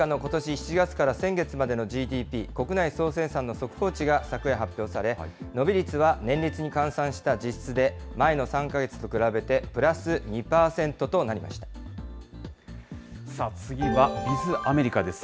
７月から先月までのＧＤＰ・国内総生産の速報値が昨夜、発表され、伸び率は年率に換算した実質で前の３か月と比さあ、次はＢｉｚアメリカです。